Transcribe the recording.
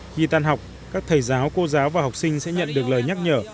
khi tan học các thầy giáo cô giáo và học sinh sẽ nhận được lời nhắc nhở